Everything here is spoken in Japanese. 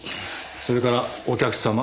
それからお客様。